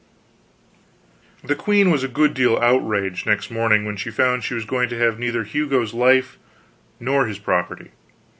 The queen was a good deal outraged, next morning when she found she was going to have neither Hugo's life nor his property.